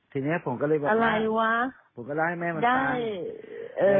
ทีนี้ผมก็เลยบอกมาผมก็เลยให้แม่มันฟัง